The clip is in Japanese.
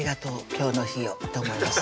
今日の日をと思います